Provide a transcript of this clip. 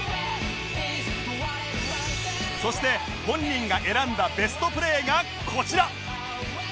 そして本人が選んだベストプレーがこちら